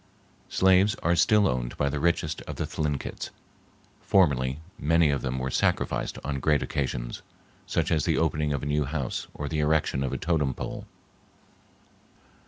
Slaves are still owned by the richest of the Thlinkits. Formerly, many of them were sacrificed on great occasions, such as the opening of a new house or the erection of a totem pole.